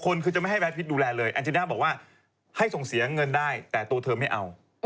คนคือจะไม่ให้แดดพิษดูแลเลยแอนจิน่าบอกว่าให้ส่งเสียเงินได้แต่ตัวเธอไม่เอา